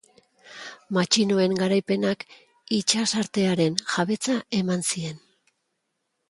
Matxinoen garaipenak itsasartearen jabetza eman zien.